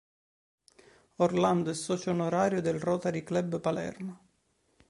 Orlando è socio onorario del Rotary Club Palermo.